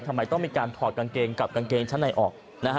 ทำไมต้องมีการถอดกางเกงกับกางเกงชั้นในออก